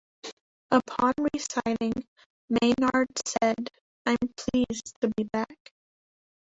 Upon re-signing, Maynard said I'm pleased to be back.